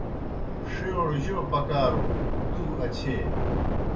ݜِیؤڑ جو پکارن، دُو اچھیئے